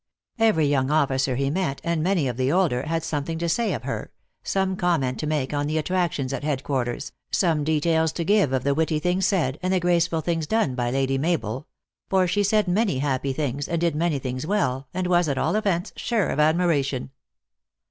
Every young officer he met, and many of the older, had something to say of her, some comment to make on the attractions at head quarters, some details to give of the witty things said, and the graceful things done by Lady Mabel ; for she said many happy things, and did many things well, and was, at all events, sure of admiration.